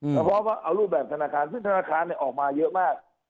แล้วพร้อมเอารูปแบบธนาคารซึ่งธนาคารออกมาเยอะมาก